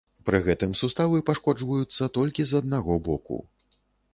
Пры гэтым суставы пашкоджваюцца толькі з аднаго боку.